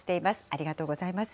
ありがとうございます。